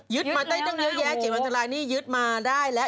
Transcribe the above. ยุดมาใต้ตรงเยอะแยะ๗วันต้นไลน์ยุดมาได้แล้ว